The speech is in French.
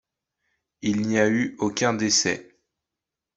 Il n'y a eu aucun décès.